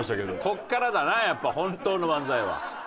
ここからだなやっぱ本当の漫才は。